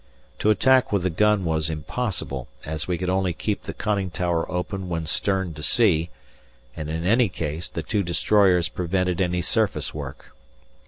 To attack with the gun was impossible, as we could only keep the conning tower open when stern to sea, and in any case the two destroyers prevented any surface work.